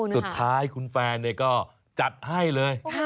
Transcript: สุดท้ายคุณแฟนก็จัดให้เลย